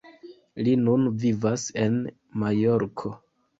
Li nun vivas en Majorko.